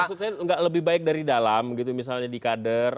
maksud saya nggak lebih baik dari dalam gitu misalnya di kader